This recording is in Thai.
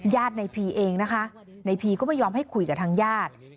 ญาตินายภีร์เองนะคะนายภีร์ก็ไม่ยอมให้คุยกับทางญาติ